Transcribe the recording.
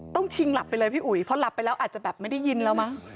ชิงหลับไปเลยพี่อุ๋ยเพราะหลับไปแล้วอาจจะแบบไม่ได้ยินแล้วมั้ง